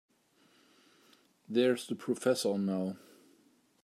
There's the professor now.